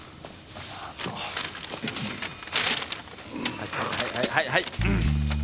はいはいはいはい。